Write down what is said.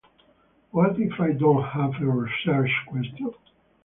What if I don't have a research question?